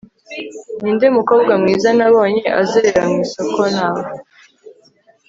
ninde mukobwa mwiza nabonye azerera mu isoko nawe? (alanf_us